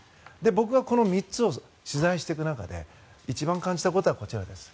僕がこの３つを取材していく中で一番感じたことはこちらです。